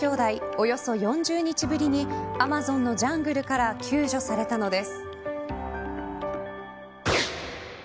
およそ４０日ぶりにアマゾンのジャングルから救助されたのです。